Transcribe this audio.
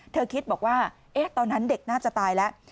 คิดบอกว่าตอนนั้นเด็กน่าจะตายแล้ว